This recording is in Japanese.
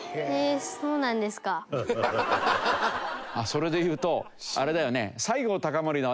それで言うとあれだよね。